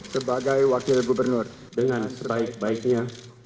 sebagai wakil gubernur dengan sebaik baiknya